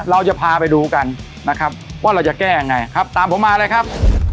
เราจะพาไปดูกันนะครับว่าเราจะแก้ยังไงครับตามผมมาเลยครับ